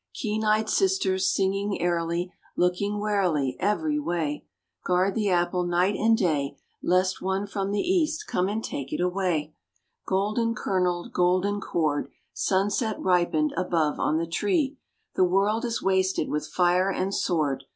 *••••• Keen eyed Sisters, singing airily, Looking warily Every way, Guard the Apple night and day, Lest one from the East come and take it away I •••••«•• Golden Jcernelled, golden cored, Sunset ripened above on the tree. The World is wasted with fire and sword.